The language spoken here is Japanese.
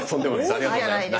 ありがとうございます。